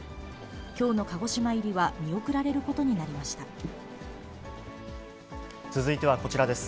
きょうの鹿児島入りは見送られる続いてはこちらです。